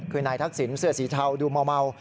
คือนายทักษิณเสื้อสีเทาดูเมา